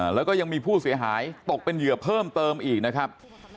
แล้วก็ยังมีผู้เสียหายตกเป็นเหยื่อเพิ่มเติมอีกนะครับ